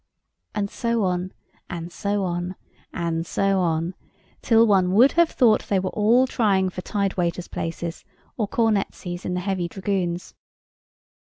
And so on, and so on, and so on, till one would have thought they were all trying for tide waiters' places, or cornetcies in the heavy dragoons.